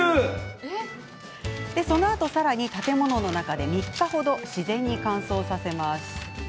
そのあと、さらに建物の中で３日程、自然に乾燥させます。